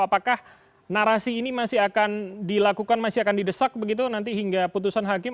apakah narasi ini masih akan dilakukan masih akan didesak begitu nanti hingga putusan hakim